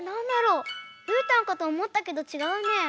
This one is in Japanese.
うーたんかとおもったけどちがうね。